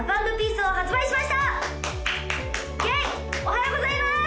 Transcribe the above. おはようございます！